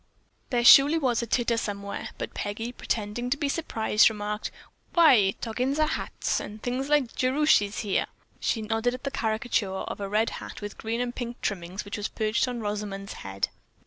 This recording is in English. There surely was a titter somewhere; but Peggy, pretending to be surprised, remarked: "Why, toggins are hats and things like Jerushy's here." She nodded at the caricature of a red hat with green and pink trimmings which was perched on Rosamond's head.